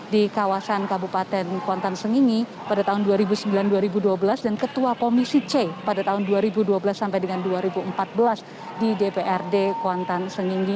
di kawasan kabupaten kuantan sengingi pada tahun dua ribu sembilan dua ribu dua belas dan ketua komisi c pada tahun dua ribu dua belas sampai dengan dua ribu empat belas di dprd kuantan sengingi